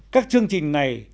các chương trình này